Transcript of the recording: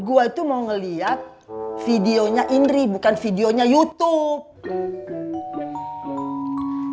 gue itu mau ngeliat videonya indri bukan videonya youtube